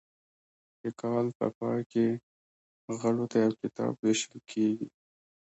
د کال په پای کې غړو ته یو کتاب ویشل کیږي.